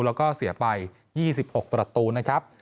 แล้วก็เสียไป๒๖ประตูนะครับ